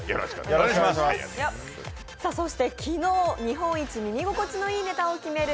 そして昨日、日本一耳心地のいいネタを決める